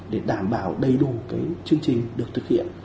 để đảm bảo đầy đủ chương trình được thực hiện